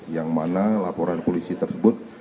yang mana laporan polisi tersebut